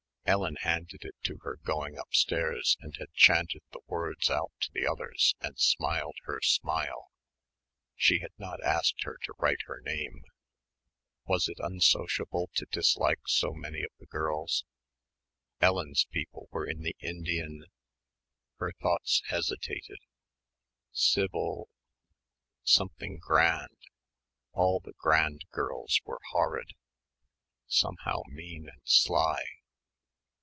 Ellen handed it to her going upstairs and had chanted the words out to the others and smiled her smile ... she had not asked her to write her name ... was it unsociable to dislike so many of the girls.... Ellen's people were in the Indian ... her thoughts hesitated.... Sivvle ... something grand All the grand girls were horrid ... somehow mean and sly